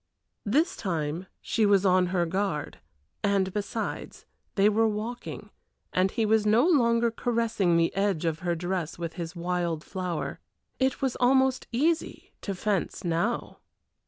This time she was on her guard and besides they were walking and he was no longer caressing the edge of her dress with his wild flower; it was almost easy to fence now.